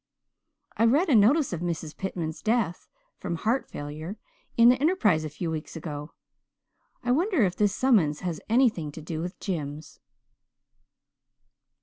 "I read a notice of Mrs. Pitman's death from heart failure in the Enterprise a few weeks ago. I wonder if this summons has anything to do with Jims."